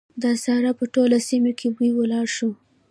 د سارا په ټوله سيمه کې بوی ولاړ شو.